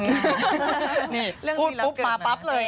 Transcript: นี่พูดปุ๊บมาปั๊บเลย